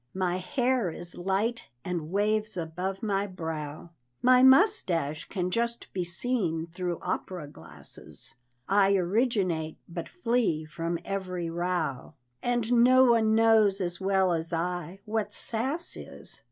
My hair is light, and waves above my brow, My mustache can just be seen through opera glasses; I originate but flee from every row, And no one knows as well as I what "sass" is!